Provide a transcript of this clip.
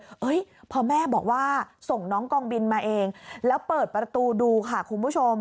เฮ้ยพอแม่บอกว่าส่งน้องกองบินมาเองแล้วเปิดประตูดูค่ะคุณผู้ชม